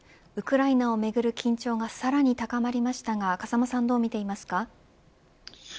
ウクライナをめぐる緊張がさらに高まりましたが風間さんどうみていますか。